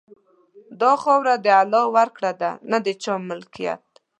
دا خاوره د الله ورکړه ده، نه د چا ملکیت.